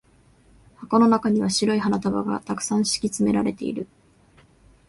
箱の中には白い花束が沢山敷き詰められている。